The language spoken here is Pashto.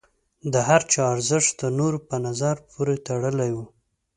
د هر چا ارزښت د نورو په نظر پورې تړلی و.